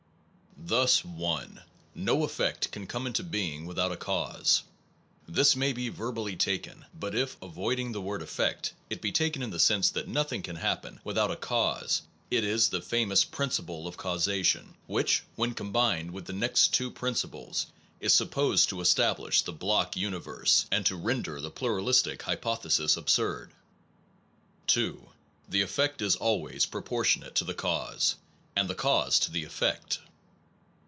Thus: 1. No effect can come into being with out a cause. This may be verbally taken; but if, avoiding the word effect, it be taken in the sense that nothing can happen without a cause, it is the famous principle of causality which, when combined with the next two prin ciples, is supposed to establish the block uni verse, and to render the pluralistic hypothesis absurd. 2. The effect is always proportionate to the cause, and the cause to the effect.